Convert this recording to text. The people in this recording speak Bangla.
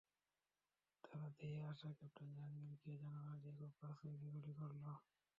তারা ধেয়ে আসা ক্যাপ্টেন জাহাঙ্গীরকে জানালা দিয়ে খুব কাছ থেকে গুলি করল।